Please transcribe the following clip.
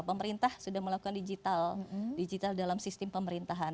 pemerintah sudah melakukan digital dalam sistem pemerintahan